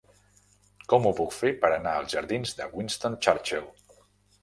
Com ho puc fer per anar als jardins de Winston Churchill?